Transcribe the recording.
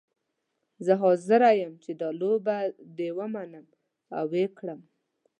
زه حاضره یم چې دا لوبه دې ومنم او وکړم.